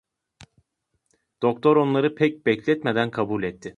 Doktor onları pek bekletmeden kabul etti.